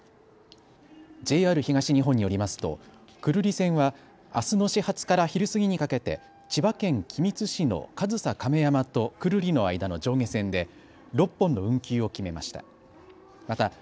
ＪＲ東日本によりますと久留里線はあすの始発から昼過ぎにかけて千葉県君津市の上総亀山と久留里の間の上下線で６本の運休を決めました。